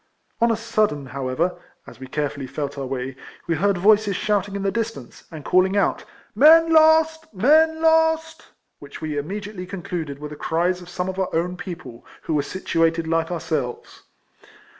On a sudden, however (as we carefully felt our way), we heard voices shouting in the distance, and calling out " Men lost ! men lost !" which we imme diately concluded were the cries of some of EIFLEMAN HAERIS. 213 our own people, who were situated like our selves.